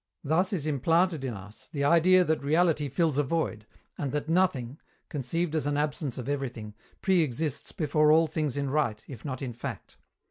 Thus is implanted in us the idea that reality fills a void, and that Nothing, conceived as an absence of everything, pre exists before all things in right, if not in fact.